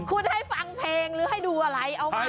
คุณให้ฟังเพลงหรือให้ดูอะไรเอามา